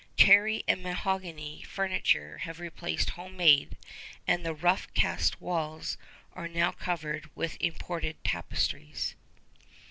Cherry and mahogany furniture have replaced homemade, and the rough cast walls are now covered with imported tapestries.